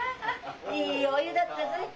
いいお湯だったぞい。